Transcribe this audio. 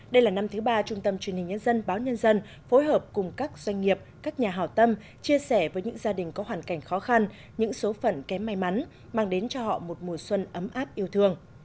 đây là năm thứ ba trung tâm truyền hình nhân dân báo nhân dân phối hợp cùng các doanh nghiệp các nhà hào tâm chia sẻ với những gia đình có hoàn cảnh khó khăn những số phận kém may mắn mang đến cho họ một mùa xuân ấm áp yêu thương